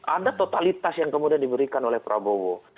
ada totalitas yang kemudian diberikan oleh prabowo